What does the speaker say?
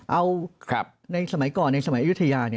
เอาในสมัยก่อนในสมัยอายุทยา